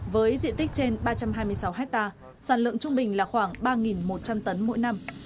với diện tích trên ba trăm hai mươi sáu hectare sản lượng trung bình là khoảng ba một trăm linh tấn mỗi năm